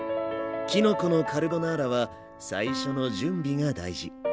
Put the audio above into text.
きのこのカルボナーラは最初の準備が大事。